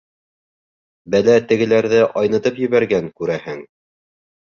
Бәлә тегеләрҙе айнытып ебәргән, күрәһең.